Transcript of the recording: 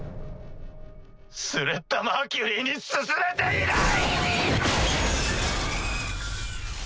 スレッタ・マーキュリーに進めていない！